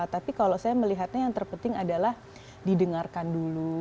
tapi kalau saya melihatnya yang terpenting adalah didengarkan dulu